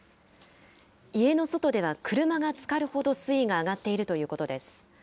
家の外では車がつかるほど水位が上がっているということです。